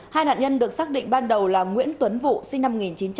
hai nạn nhân được xác định ban đầu là nguyễn tuấn vụ sinh năm một nghìn chín trăm tám mươi